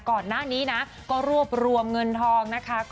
ก่อนหน้านี้นะก็รวบรวมเงินทองนะคะ